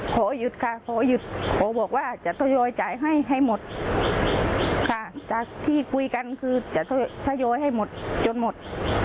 ขอหยุดค่ะขอหยุดขอบอกว่าจะทยอยจ่ายให้ให้หมดค่ะจากที่คุยกันคือจะทยอยให้หมดจนหมด